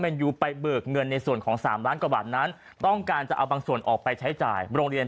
๓ล้านกว่าบาทนั้นต้องการจะเอาบางส่วนออกไปใช้จ่ายโรงเรียน